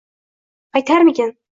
Qaytarmikin?